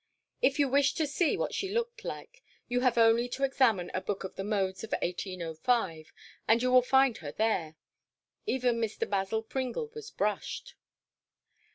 If you wish to see what she looked like, you have only to examine a Book of the Modes of 1805, and you will find her there. Even Mr. Basil Pringle was brushed.